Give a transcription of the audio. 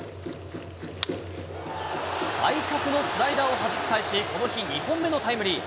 外角のスライダーをはじき返し、この日２本目のタイムリー。